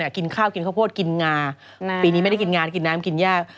กินข้าวกินข้าวโพดกินงาปีนี้ไม่ได้กินงากินน้ำกินยาก